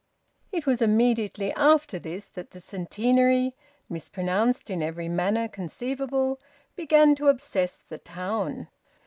It was immediately after this that the "Centenary" mispronounced in every manner conceivable began to obsess the town.